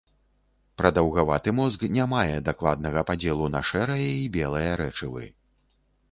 Прадаўгаваты мозг не мае дакладнага падзелу на шэрае і белае рэчывы.